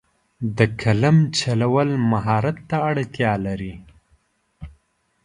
د قلم چلول مهارت ته اړتیا لري.